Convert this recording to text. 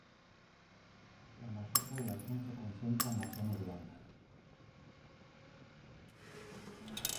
La mayor población se concentra en la zona urbana.